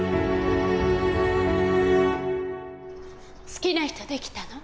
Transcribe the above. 好きな人できたの？